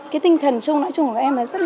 cái tinh thần chung của các em rất là vui vẻ